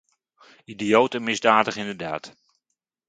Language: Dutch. Idioot en misdadig inderdaad.